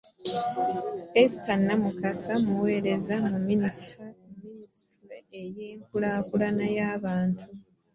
Esther Namukasa, muweereza mu minisitule y'enkulaakulana y'abantu